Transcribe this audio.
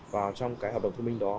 vào trong cái hợp đồng thông minh đó